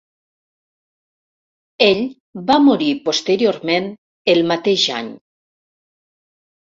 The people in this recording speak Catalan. Ell va morir posteriorment el mateix any.